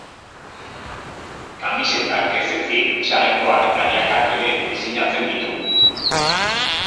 Kamisetak ez ezik, txalekoak eta jakak ere diseinatzen ditu.